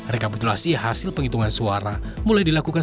rekapitulasi hasil penghitungan suara mulai dilakukan